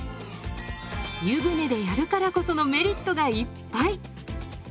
湯船でやるからこそのメリットがいっぱい！